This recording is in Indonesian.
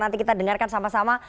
nanti kita dengarkan sama sama